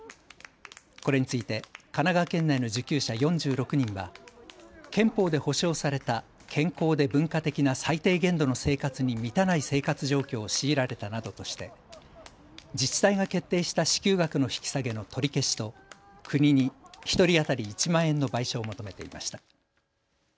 これについて神奈川県内の受給者４６人は憲法で保障された健康で文化的な最低限度の生活に満たない生活状況を強いられたなどとして自治体が決定した支給額の引き下げの取り消しと国に１人当たり１万円の賠償を求めていました。